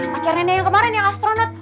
pacar neneknya kemarin yang astronot